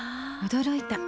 驚いた。